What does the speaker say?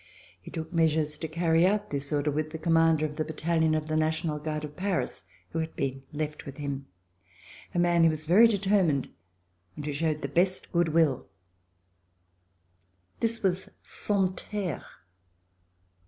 He took measures to carry out this order with the com mander of the battalion of the National Guard of Paris who had been left with him — a man who was very determined and who showed the best good will — this was Santerre!